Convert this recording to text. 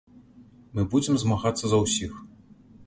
Мы будзем змагацца за ўсіх.